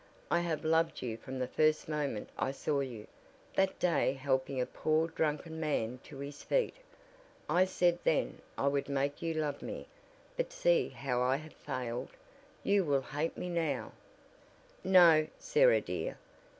I have loved you from the first moment I saw you that day helping a poor drunken man to his feet. I said then I would make you love me, but see how I have failed. You will hate me now." "No, Sarah dear.